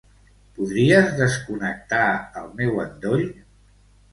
Podries desconnectar el meu endoll?